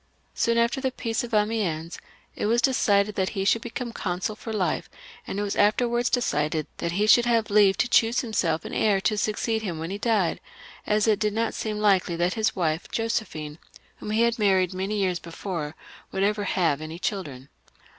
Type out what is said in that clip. Soon after the peace of Amiens it was decided that he should become consul for life, and it was afterwards decided that he should have leave to choose himself an heir to succeed him when he died, as it did not seem likely that his wife Josephine, whom he had married many years before, would ever have any children.